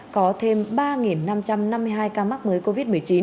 có thêm ba năm trăm năm mươi hai ca mắc mới covid một mươi chín